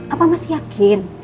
apa masih yakin